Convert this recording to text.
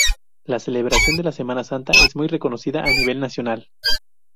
La celebración de la Semana Santa es muy reconocida a nivel nacional.